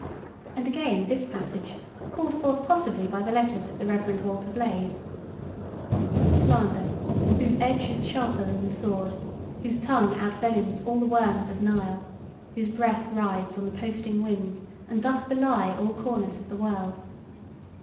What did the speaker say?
And again this passage, called forth possibly by the letters of the Rev. Walter Blaise: "Slander, Whose edge is sharper than the sword; whose tongue Outvenoms all the worms of Nile; whose breath Rides on the posting winds and doth belie All corners of the world."